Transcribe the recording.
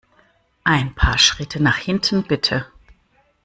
Ein paar Schritte nach hinten, bitte!